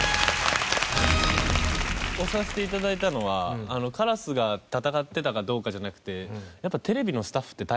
押させて頂いたのはカラスが戦ってたかどうかじゃなくて。